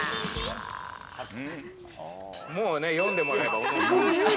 もうね、読んでもらえば。